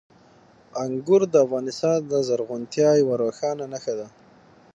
انګور د افغانستان د زرغونتیا یوه روښانه نښه ده.